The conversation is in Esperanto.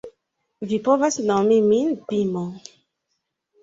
Vi povas nomi min Bimo